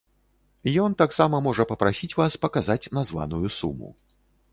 Ён таксама можа папрасіць вас паказаць названую суму.